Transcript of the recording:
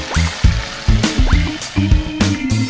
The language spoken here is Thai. โว้ง